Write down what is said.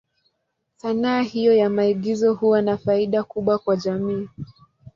Sanaa hiyo ya maigizo huwa na faida kubwa kwa jamii.